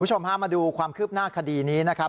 คุณผู้ชมห้ามมาดูความคืบหน้าคดีนี้นะครับ